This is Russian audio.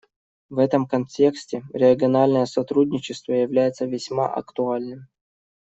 В этом контексте региональное сотрудничество является весьма актуальным.